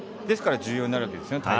ですから重要になるんですね